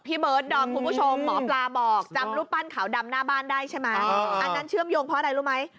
เบิร์ดดอมคุณผู้ชมหมอปลาบอกจำรูปปั้นขาวดำหน้าบ้านได้ใช่ไหมอันนั้นเชื่อมโยงเพราะอะไรรู้ไหม